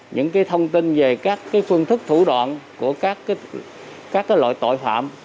những cái thông tin về các cái phương thức thủ đoạn của các cái loại tội phạm